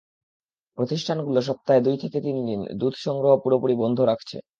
প্রতিষ্ঠানগুলো সপ্তাহে দুই থেকে তিন দিন দুধ সংগ্রহ পুরোপুরি বন্ধ রাখছে।